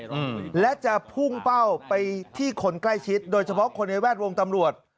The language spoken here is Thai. อืมและจะพุ่งเป้าไปที่คนใกล้ชิดโดยเฉพาะคนในแวดวงตำรวจ